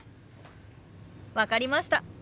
分かりました。